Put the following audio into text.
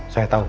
saya tau pak